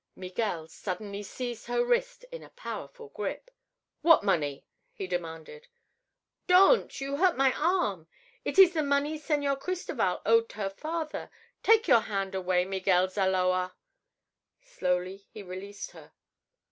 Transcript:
Miguel suddenly seized her wrist in a powerful grip. "What money?" he demanded. "Don't; you hurt my arm! It is the money Señor Cristoval owed her father. Take your hand away, Miguel Zaloa!" Slowly he released her.